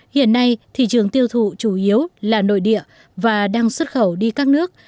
hiện nay thị trường tiêu thụ chủ yếu là nội địa và đang xuất khẩu đi các nước